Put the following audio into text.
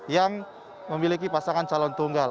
yang memiliki pasangan calon tunggal